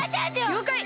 りょうかい！